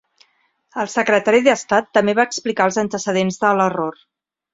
El secretari d'Estat també va explicar els antecedents de l'error.